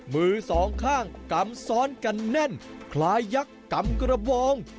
มือสองข้างกำซ้อนกันแน่นคล้ายยักษ์กำกระบอง